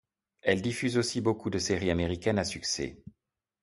Elle diffuse aussi beaucoup de séries américaines à succès.